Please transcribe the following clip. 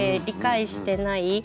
理解してない。